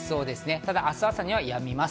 ただ明日朝にはやみます。